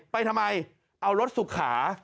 ไปทำไมเอารถสุขา